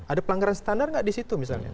ada pelanggaran standar nggak di situ misalnya